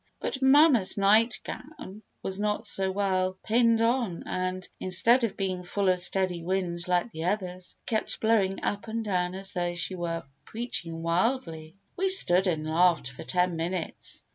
But mamma's night gown was not so well pinned on and, instead of being full of steady wind like the others, kept blowing up and down as though she were preaching wildly. We stood and laughed for ten minutes.